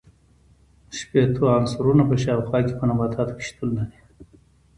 شپیتو عنصرونو په شاوخوا کې په نباتاتو کې شتون لري.